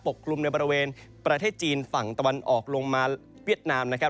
กลุ่มในบริเวณประเทศจีนฝั่งตะวันออกลงมาเวียดนามนะครับ